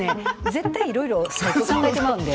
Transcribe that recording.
絶対いろいろ考えてまうんで。